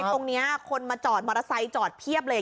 ตรงนี้คนมาจอดมอเตอร์ไซค์จอดเพียบเลย